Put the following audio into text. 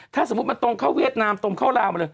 ถ้าสมมุติมันตรงเข้าเวียดนามตรงเข้าลาวมาเลย